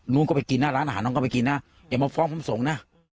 ก็ไปกินหน้าร้านอาหารน้องก็ไปกินนะอย่ามาฟ้องผมส่งนะ